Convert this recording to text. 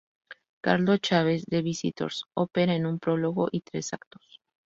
Carlos Chávez: "The visitors", ópera en un prólogo y tres actos